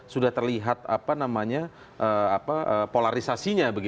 sudah terlihat polarisasinya